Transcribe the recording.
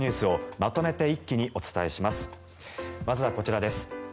まずはこちらです。